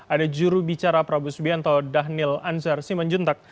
ada juru bicara prabowo subianto dhanil anjar simon juntak